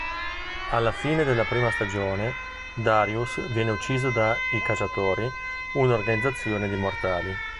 Alla fine della prima stagione, Darius viene ucciso dai "I Cacciatori", un'organizzazione di mortali.